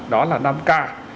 đó là năm k